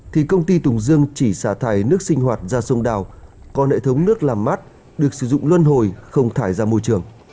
thì công ty tùng dương chỉ xả thải nước sinh hoạt ra sông đào còn hệ thống nước làm mát được sử dụng luân hồi không thải ra môi trường